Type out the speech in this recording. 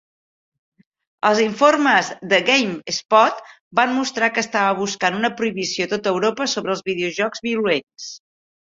Els informes de "GameSpot" van mostrar que estava buscant una prohibició a tot Europa sobre videojocs violents.